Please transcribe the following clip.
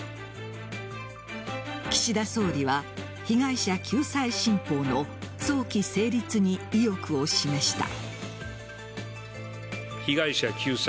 岸田総理は、被害者救済新法の早期成立に意欲を示した。